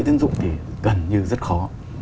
tiến dụng thì gần như rất khó